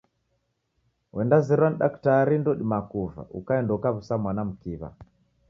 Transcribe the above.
Wendazerwa ni daktrari ndoudima kuva, ukaenda ukaw'usa mwana mkiw'a.